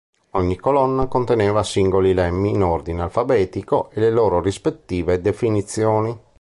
Ogni colonna conteneva singoli lemmi in ordine alfabetico e le loro rispettive definizioni.